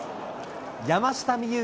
山下美夢